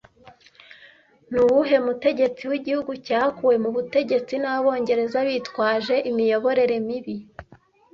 Ni uwuhe mutegetsi w’igihugu cyakuwe ku butegetsi n’abongereza bitwaje imiyoborere mibi